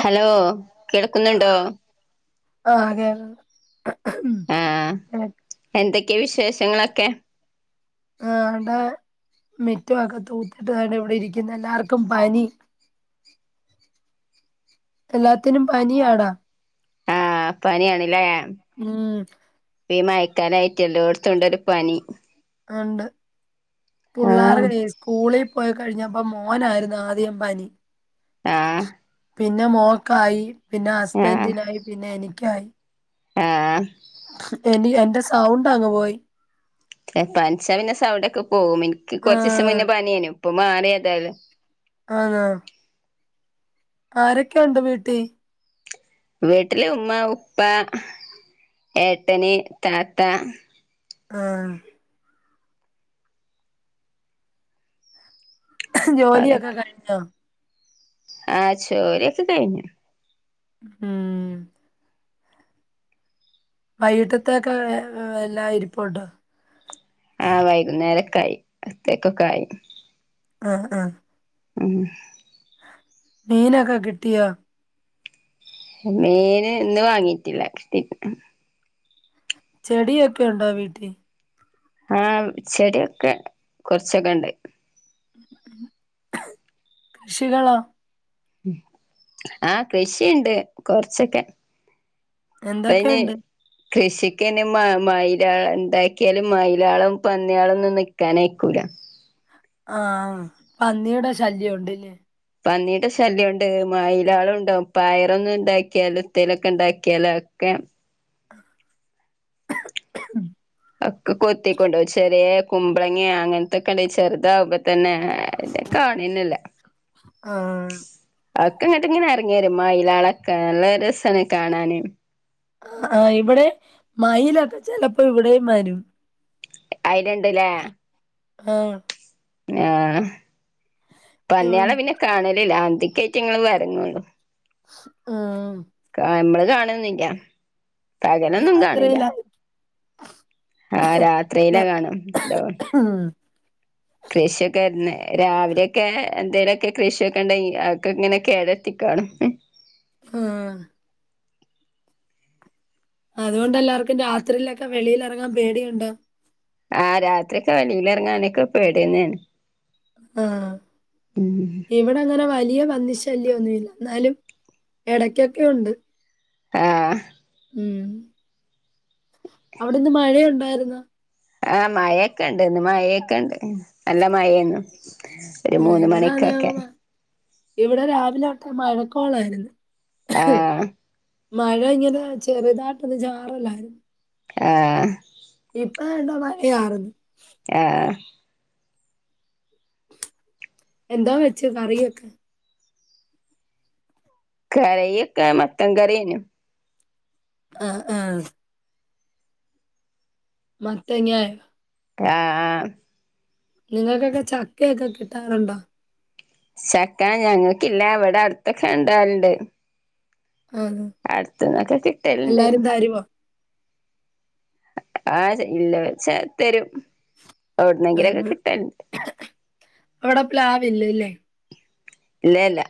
Hello കേൾക്കുന്നുണ്ടോ? ആഹ് കേ [unintelligible] എന്തെക്കെ വിശേഷങ്ങളൊക്കെ? ആഹ് അടേ മിറ്റൊ, അകോ തൂത്തിട്ട്കാണ്ടാ ഇവിടെ ഇരിയ്ക്കുന്നെ, എല്ലാർക്കും പനി. എല്ലാത്തിനും പനിയാടാ. ആഹ് പനിയാണ് ലേ? ഉം ഇപ്പ ഈ മയക്കാലായ്റ്റെ എല്ലോട്ത്തുണ്ടൊരു പനി. ആഹ് ണ്ട്. ആഹ് പുള്ളാറെ സ്കൂളി പോയി കഴിഞ്ഞപ്പം മോനായിരുന്നു ആദ്യം പനി ആഹ് പിന്നെ മോക്കായി, പിന്നെ ആഹ് ഹസ്ബൻഡിനായി പിന്നെ എനിക്കായി ആഹ് എനി എന്റെ സൗണ്ടങ്ങ് പോയി. എ പൻച്ചാ പിന്നെ സൗണ്ടൊക്കെ പോവും, ഇൻക്ക് കൊർച്ചീസം ആഹ് മുന്നേ പന്യേനു. പ്പൊ മാറ്യേതാലും. ആണോ? ആരൊക്കെയുണ്ട് വീട്ടീ? വീട്ടില് ഉമ്മാ, ഉപ്പ, ഏട്ടന്, താത്താ ആഹ് ജോലിയൊക്കെ ഓലൊക്കെ കഴിഞ്ഞോ? ആഹ് ജോലിയൊക്കെ കഴിഞ്ഞു. ഏഹ് വൈകീട്ടത്തേക്ക് എല്ലാ ഇരിപ്പുണ്ടൊ? ആഹ് വൈകുന്നേരൊക്കായി, [unintelligible] ത്തേക്കൊക്കായി. ആഹ് ആഹ്. ഉം മീനൊക്കെ കിട്ടിയോ? മീന് ഇന്ന് വാങ്ങീട്ടില്ല [unintelligible] ചെടിയൊക്കെയുണ്ടോ വീട്ടി? ആഹ് ചെടിയൊക്കെ കൊർച്ചൊക്കെണ്ട്. കൃഷികളാ. ആഹ് കൃഷിണ്ട്, കൊർച്ചൊക്കെ. ഇപ്പയ്ന് എന്തൊക്കെയുണ്ട്? കൃഷിക്കയ്ന് മ മയ്ലാള് ണ്ടാക്കിയാല് മയിലാളും പന്ന്യാ ളൊന്നും നിക്കാനയിക്കൂല ആഹ് പന്നിയുടെ ശല്യം ഉണ്ട്ല്ലേ പന്നിയുടെ ശല്യണ്ട് മയിലാളുണ്ടാവും പയറൊന്നും ണ്ടാക്കിയാലു ത്തേലൊക്കെ ണ്ടാക്കിയാല അതൊക്കെ ഒക്കെ കൊത്തി കൊണ്ടോവും ചെറിയേ കുമ്പളങ്ങേ അങ്ങൻത്തൊക്കെണ്ടെങ്കി ചെർതാവുമ്പ തന്നെ അയ്ന്റെ കാണെന്നല്ല ആഹ് ഒക്കെ ഇങ്ങട്ട് ങ്ങനെ എർങ്ങി വെരും മയിലാളൊക്കെ നല്ല രസാണ് കാണാന് ആഹ് ആഹ് ഇവിടേം മയിലൊക്കെ ചെലപ്പോ ഇവിടേം വരും അയിലണ്ട്ല്ലേ ഹം ആഹ് ഇവം പന്നികളെ പിന്നെ കാണലില്ല അന്ക്കായിറ്റങ്ങള്ൾ വരങ്ങള്ളു ഉം നമ്മള് കാണുന്നിക്ക പകലൊന്നും കാണില്ല രാത്രിയിലാ ആഹ് രാത്രിയിലെ കാണാം ഉണ്ടാവും ഉം കൃഷിയൊക്കെ രാവിലെയൊക്കെ എന്തേലുമൊക്കെ കൃഷിയൊക്കെ ഉണ്ട അക്കെ ഇങ്ങനെയൊക്കെ ഏതത്തിക്കാണ് ആഹ് അതുകൊണ്ട് എല്ലാവർക്കും രാത്രിയിലൊക്കെ വെളിയിൽ ഇറങ്ങാൻ പേടിയുണ്ടോ ആഹ് രാത്രിൊക്കെ വെളിയിൽ ഇറങ്ങാനൊക്കെ പേടുന്നാണ് ആഹ് ഉം ഇവിടെ അങ്ങനെ വലിയ പന്നി ശ ശല്യംന്നുമല്ല എന്നാലും ഇടയ്ക്കൊക്കെ ഉണ്ട് ആഹ് മം അവിടെന്ന് മഴയുണ്ടായിരുന്ന ആഹ് മഴൊക്കെ ഇണ്ട്ന്ന് മഴൊക്കെണ്ട് നല്ല മഴയു എന്നും ഒരു ഉം മൂന്ന് ഇവിടെ മണിക്കൊക്കെ അതേ ഇവിടെ രാവിലെ അവിട്ടെ മഴക്കോളായിരുന്നു ആഹ് മഴ ഇങ്ങനെ ചെറുതാട്ടൊന്നും ജാറല്ലായിരുന്നു ആഹ് ഇപ്പ വണ്ടോ മഴ ചാർന്ന് ആഹ് എന്തോ വെച്ച് കറിയൊക്കെ കറിയൊക്കെ മത്തൻ കറിയായിരുന്നു ആഹ് ആഹ് മത്തങ്ങായി ആഹ് നിങ്ങൾക്കൊക്കെ ചക്കയൊക്കെ കിട്ടാറുണ്ടോ ചക്ക ഞങ്ങൾക്കില്ല എവിടെ അടുത്തൊക്കെ ഉണ്ടലുണ്ട് ആണ് അടുത്തന്നൊക്കെ കിട്ടലണ്ട് ആഹ് ഇല്ല തരും വിടുന്നെങ്കിലൊക്കെ ആഹ്. കിട്ടലു അവിടെ പ്ലാവില്ലല്ലേ ഇല്ല ഇല്ല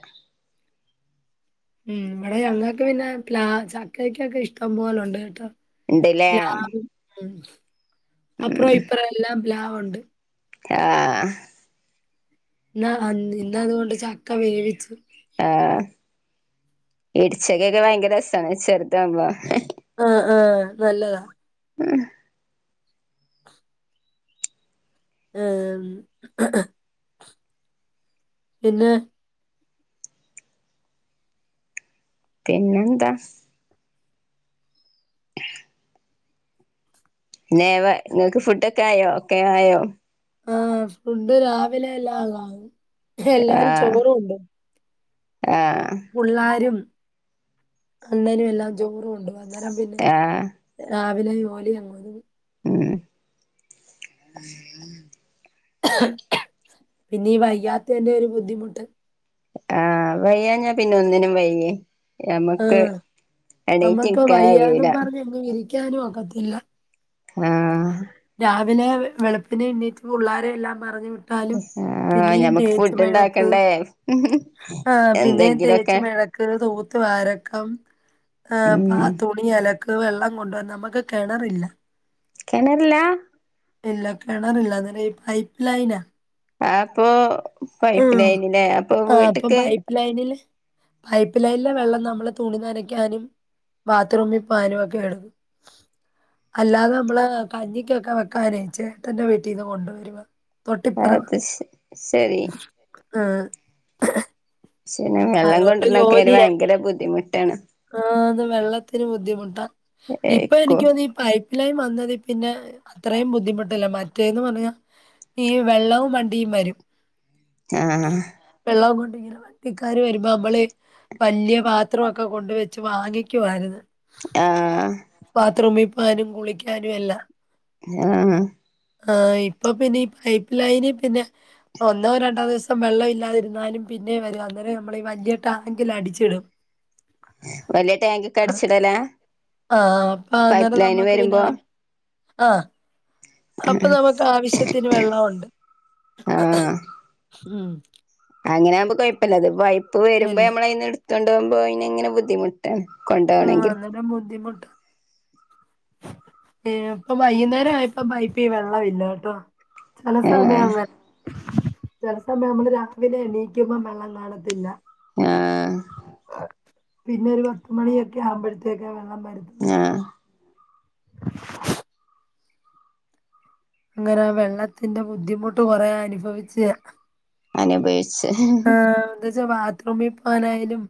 ഉം ഇവിടെ ഞങ്ങൾക്ക് പിന്നെ പല ചക്കയ്ക്കൊക്കെ ഇഷ്ടം പോലുണ്ട് കേട്ടോ ഇണ്ട്ല്ലേ പ്ലാവ് ഉം അപ്പുറം ഉം ഇപ്പുറോം എല്ലാം പ്ലാവ്ണ്ട് ആഹ് എന്നാ അൻ ഇന്നതുകൊണ്ട് ചക്ക വേവിച്ച് ആഹ് ഇടിച്ചക്കൊക്കെ ഭയങ്കര രസാണ്. ചെർതാവുമ്പോ ആ ആഹ് നല്ലതാ മ് ഏം പിന്നെ പിന്നെന്താ [unintelligible] വ ഇങ്ങക്ക് ഫുഡ്ഡൊക്കെ ആയോ, ഒക്കെയായോ ആഹ് ഫുഡ്ഡ് രാവിലെ എല്ലാഅങ്ങാവും എല്ലാരും ആഹ് ചോറ് കൊണ്ടോവും ആഹ് പുള്ളാരും അണ്ണനും എല്ലാം ചോറു കൊണ്ടോവും. അന്നേരം പിന്നെ ആഹ് രാവിലെ ജോലി അങ്ങൊതുങ്ങും ഉം ആ പിന്നെ ഈ വയ്യാത്തേന്റെ ഒരു ബുദ്ധിമുട്ട് ആഹ് വയ്യാഞാ പിന്നൊന്നിനും വയ്യേ ആ ഞമ്മക്ക് എണീറ്റ് നിക്കാൻ കയ്യൂല ക്കാനും ഒകത്തില്ല ആഹ് രാവിലെ വെളുപ്പിനെ എണീറ്റ് പുള്ളാരെയെല്ലാം പറഞ്ഞ് വി ട്ടാലും ആഹ് പിന്നെയും ഞമ്മക്ക് ഫുഡ് ഇണ്ടാക്കണ്ടേ [unintelligible] ആ പിന്നെ എന്തെങ്കിലൊക്കെ [unintelligible] ക്ക് തൂത്ത് വാരക്കം ഏഹ് പാ ഉം തുണി അലക് ക്ക് വെള്ളം കൊണ്ടോര്നം. നമ്മക്ക് കെണറില്ല കെണറ് ല്ലാ? ഇല്ല കെണറില്ല അന്നേരഈ പൈപ്പ് ലൈനാ ആ അപ്പൊ പൈപ്പ് ആഹ്. ലൈനിലേ അപ്പൊ ആഹ് അപ്പൊ വീട്ട്ക്ക് പൈപ്പ് ലൈനില് പൈപ്പ് ലൈനിലെ വെള്ളം നമ്മള് തുണി നനക്കാനും ബാത്റൂമി പോവാനുമൊക്കെ എടുക്കും അല്ലാതെ നമ്മള് കഞ്ഞിക്കൊക്കെ വെക്കാനെ ചേട്ടന്റെ വീട്ടീന്ന് കൊണ്ടുവരുവ അത് സെ സെരി ആഹ് ശരി വെള്ളം അതുകൊണ്ട് കൊണ്ടര്നൊക്കെ ഒരു ഭയങ്കര ബുദ്ധിമുട്ടാണ് ആഹ് ത് വെള്ളത്തിന് ബുദ്ധിമുട്ടാ. ഇപ്പൊ ഏക്കും എനിക്ക്യോന്നി പൈപ്പ്‌ ലൈൻ വന്നതിപിന്നെ അത്രയും ബുദ്ധിമുട്ടില്ല. മറ്റേന്ന് പറഞ്ഞാ ഈ വെള്ളവും വണ്ടിയും വരും ആഹ് വെള്ളവും കൊണ്ടിങ്ങനെ വണ്ടിക്കാര് വരുമ്പോ അമ്മളീ വല്യ പാത്രവൊക് ക്കൊ കൊണ്ട് വെച്ച് വാങ്ങിക്കുവാര്ന്നു ആഹ് ബാത്രൂമി പോവാനും കുളിക്കാനു എല്ലാം ആഹ് ആഹ ഇപ്പൊ പിന്നെ ഈ പൈപ്പ് ലൈന് പിന്നെ ഒന്നോ രണ്ടോ ദിവസം വെള്ളം ഇല്ലാതിര്ന്നാലും പിന്നേം വരും അന്നേരം നമ്മളി ഈ വലിയ ടാങ്കിൽ അടിച്ചിടും വലിയ ടാങ്ക്ക്കെ ആഹ അടിച്ചിടലാ അപ്പൊ പൈപ്പ് അന്നേരം ലൈന് നമ്മക്ക് പിന്നെ വരുമ്പോ ആഹ അപ്പൊ നമുക്ക് ആവശ്യത്തിന് വെള്ളമുണ്ട് അങ്ങനാവുമ്പോ കുഴപ്പമില്ല അത് പൈപ്പ് വരുമ്പോ ഇല്ല ഞമ്മളയിന്ന് എടുത്തോണ്ട് പോമ്പൊ അയിന് ഇങ്ങനെ ബുദ്ധിമുട്ട് കൊണ്ടോണങ്കിൽ ബുദ്ധിമുട്ട് ഏഹ് ഇപ്പൊ വൈകുന്നേരം ആയപ്പ പൈപ്പി വെള്ളം ഇല്ല കേട്ടോ ചില സമയം ആഹ് അങ്ങനെ ചില സമയം നമ്മള് രാവിലെ എണീക്കുമ്പോ വെള്ളം കാണത്തില്ല ആഹ പിന്നെ ഒരു പത്ത് മണിയൊക്കെ ആവുമ്പഴത്തേക്കെ വെള്ളം വരുത്ത ആഹ് [unintelligible] ഇങ്ങനെ വെള്ളത്തിന്റെ ബുദ്ധിമുട്ട് കൊറെ അനുഭവിച്ച് അനുഭവിച് ആഹ് എന്താ വെച്ചാ ബാത്റൂമിൽ പോകാനായാലും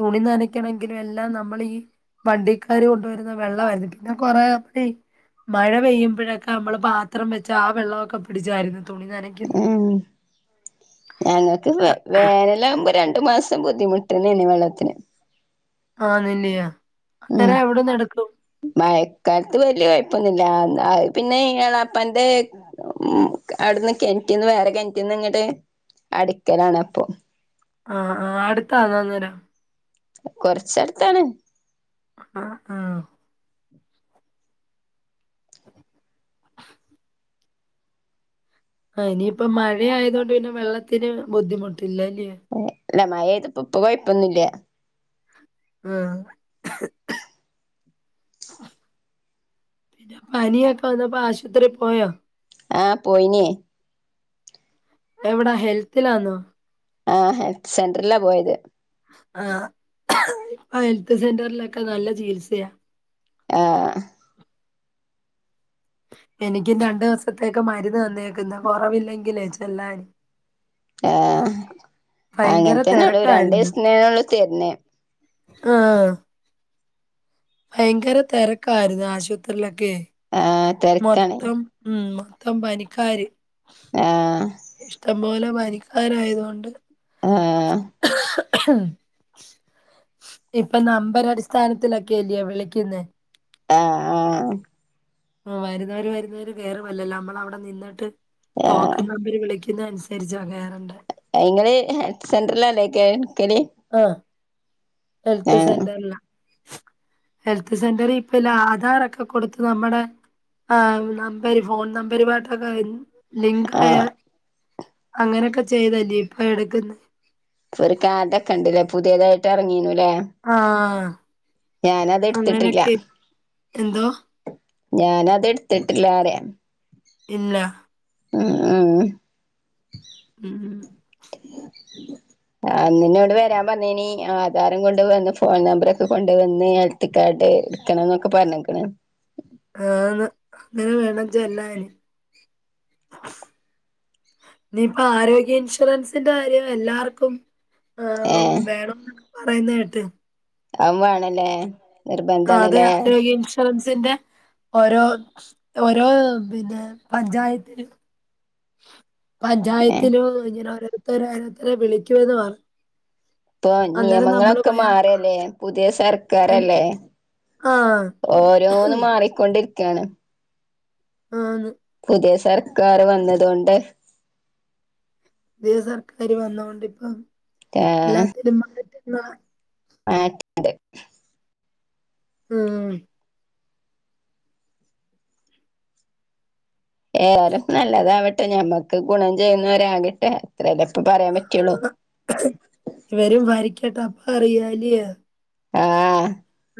തുണി നനക്കണമെങ്കിലും എല്ലാം നമ്മളീ വണ്ടിക്കാര് കൊണ്ടുവരുന്ന വെള്ളമായിരുന്നു പിന്നെ കൊറെ അ മഴ പെയ്യുമ്പഴൊക്കെ നമ്മള് പാത്രം വെച്ച് ആ വെള്ളവൊക്കെ പിടിച്ചായിരുന്നു തുണി നനക്ക്ന്ന് ഉം ഞങ്ങക്ക് വ വേനലാവുമ്പോ രണ്ടു മാസം ബുദ്ധിമു ട്ടന്നെനി വെള്ളത്തിന് ആണ്ലേ ഉം അന്നേരം എവിടെന്ന് എട്ക്കും മഴക്കാലത്ത് വലിയ കൊഴപ്പൊന്നുല്ല അത്‌ പിന്നെ എളാപ്പാന്റെ ഉം അവിട്ന്ന് കിണറ്റീന്ന് വേറെ കിണറ്റീന്ന് ഇങ്ങട്ട് അടിക്കലാണ് അപ്പൊ ആഹ് ആഹ് അടുത്താന്നോ അന്നേരം കൊറച്ച് അടുത്താണ് ആഹ് ആഹ് ആഹ് ഇനിയിപ്പോ മഴ ആയത്കൊണ്ട് പിന്നെ വെള്ളത്തിന് ബുദ്ധിമുട്ടില്ലാല്ല്യോ ഇല്ല മഴ പെയ്യ്തപ്പോ ഇപ്പോ കൊഴപ്പൊന്നുല്ല്യ ആഹ് [unintelligible] പിന്നെ പനിയൊക്കെ വന്നപ്പോ ആശുപത്രി പോയോ ആഹ് പോയിനി എവിടാ ഹെൽത്തിലാന്നോ ആഹ് ഹെൽത്ത് സെൻ്ററിലാ പോയത് ആഹ് ഇപ്പൊ ഹെൽത്ത് സെന്ററിലൊക്കെ നല്ല ചികിത്സയാ ആഹ് എനിക്കും രണ്ട് ദിവസത്തേക്ക് മരുന്ന് തന്നേക്കുന്ന് കൊറവില്ലെങ്കിലേ ചെല്ലാന് ആഹ് ഭയങ്കര അങ്ങൻത്തെന്നുള്ളു രണ്ട് തെരക്കായിരുന്നു ദിവസത്തിനെ ഒള്ളു തര്ണത് ആഹ് ഭയങ്കര തെരക്കായിരുന്നു ആശുപത്രിയിലൊക്കെ ആ തിരക്കാണേ മൊത്തം ഉം മൊത്തം പനിക്കാര് ആഹ് ഇഷ്ടം പോലെ പനിക്കാരായതുകൊണ്ട് ആഹ് [unintelligible] ഇപ്പം നമ്പര് അടിസ്ഥാനത്തിലൊക്കെല്ലയോ വിളിക്കുന്നേ ആഹ് ആഹ് ഉം വരുന്നവര് വരുന്നവര് കേറുമല്ലല്ലോ നമ്മളവിടെ നിന്നിട്ട് ആഹ് ടോക്കൺ നമ്പര് വിളിക്കുന്ന അനുസരിച്ചാ കേറണ്ടേ ഇങ്ങള് ഹെൽത്ത് സെന്ററിലല്ലക്കേ നിക്കല് ആഹ് ഹെൽത്ത് സെന്റർല ഹെൽത്ത് സെന്ററി ഇപ്പില്ല ആധാറൊക്കെ കൊടുത്ത് നമ്മുടെ ആഹ് നമ്പര് ഫോൺ നമ്പര് പാട്ടൊക്കെ ലിങ്കായ ആഹ് അങ്ങനൊക്കെ ചെയ്തല്ലേ ഇപ്പൊ എടക്കുന്നേ ഇപ്പൊ ഒരു കാർഡൊക്കെണ്ട്ലെ പുതിയതായിട്ട് ഇറങ്ങീനുലെ ആഹ് ഞാനത് എട്ത്തിട്ടില്ല അങ്ങനെയൊക്കെ എന്തോ ഞാനത് എട്ത്തിട്ടില്ലാറയാ ഇല്ല ഉം ഉം ഉം ആഹ് അന്ന് ഇന്നോട് വരാൻ പറഞ്ഞിനി ആധാറും കൊണ്ട് വന്ന് ഫോൺ നമ്പറൊക്കെ കൊണ്ടുവന്ന് എത്തിക്കാണ്ട് ഇട്ക്കണന്നൊക്കെ പറഞ്ഞ്ക്ക്ണ് ആന്ന് അങ്ങനെ വേണം ചെല്ലാന് ഇനിയിപ്പൊ ആരോഗ്യ ഇൻഷുറൻസിന്റെ കാര്യം എല്ലാർക്കും ആഹ് ഏഹ് വേണംന്ന് പറയുന്ന കേട്ട് അവും വേണലേ അത് നിർബന്ധാണല്ലേ ആരോഗ്യ ഇൻഷുറൻസിന്റെ ഓരോ ഓരോ പിന്നെ പഞ്ചായത്തിന് ഏഹ് പഞ്ചായത്തിനോ ഇങ്ങനെ ഓരോരുത്തര ഓരോരുത്തര വിളിക്കുവന്ന് പറഞ്ഞ ഇപ്പൊ നിയമങ്ങളൊക്കെ മാറല്ലേ പുതിയ സർക്കാരല്ലേ ആ. ഓരോന്ന് മാറിക്കൊണ്ടിരിക്കയാണ് ആണ് പുതിയ സർക്കാർ വന്നതോണ്ട് പുതിയ സർക്കാർ വന്നൊണ്ട് ഇപ്പം എല്ലാത്തിലും മാറ്റങ്ങൾ മാറ്റം ഉം ഏതാലും നല്ലതാവട്ടെ ഞമ്മക്ക് ഗുണം ചെയ്യുന്നവരാകട്ടെ അത്രല്ല ഇപ്പ പറയാൻ പറ്റുള്ളൂ ഇവരും ഭരിക്കട്ട അപ്പ അറിയാലോ ആഹ്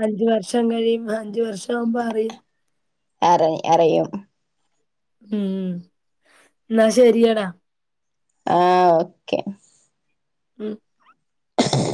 അഞ്ച് വർഷം കഴിയുമ്പം അഞ്ച് വർഷം ആവുമ്പോ അറിയ അറി അറിയും ഉം ഇന്നാ ശരിയടാ ആഹ് ഓക്കെ ഉം